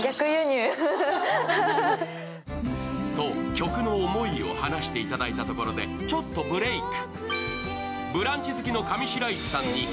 曲の思いを話していただいたところでちょっとブレーク。